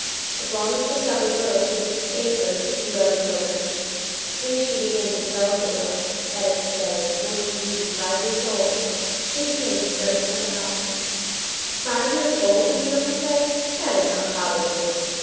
As long as Cosette was little, she was the scape goat of the two other children; as soon as she began to develop a little, that is to say, before she was even five years old, she became the servant of the household. Five years old! the reader will say; that is not probable.